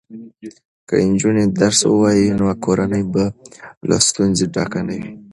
که نجونې درس ووایي نو کورنۍ به له ستونزو ډکه نه وي.